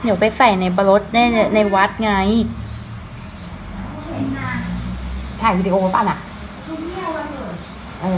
เดี๋ยวไปใส่ในบรสได้ในในวัดไงถ่ายวิดีโอไหมป่ะน่ะเออ